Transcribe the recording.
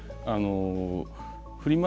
フリマ